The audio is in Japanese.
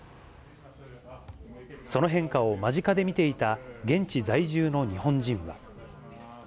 その変化を間近で見ていた現地在住の日本人は。